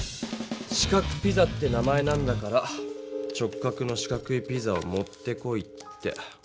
「四角ピザ」って名前なんだから直角の四角いピザを持ってこいって。